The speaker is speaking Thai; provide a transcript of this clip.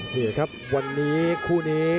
นี่แหละครับวันนี้คู่นี้